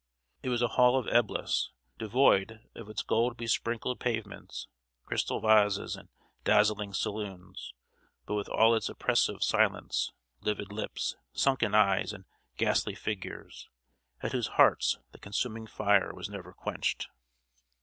It was a Hall of Eblis devoid of its gold besprinkled pavements, crystal vases, and dazzling saloons; but with all its oppressive silence, livid lips, sunken eyes, and ghastly figures, at whose hearts the consuming fire was never quenched.